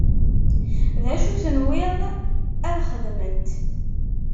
D acu tenwiḍ ad xedment?